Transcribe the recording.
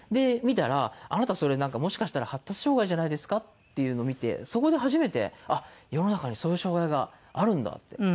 見たらあなたそれもしかしたら発達障害じゃないですか？っていうのを見てそこで初めて世の中にそういう障害があるんだって。